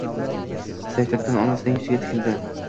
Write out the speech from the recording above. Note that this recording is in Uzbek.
Sayfiddin onasining yuziga tikildi